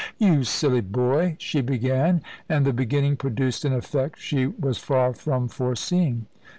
"You silly boy," she began, and the beginning produced an effect she was far from foreseeing.